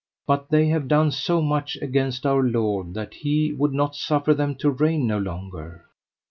But they have done so much against Our Lord that He would not suffer them to reign no longer.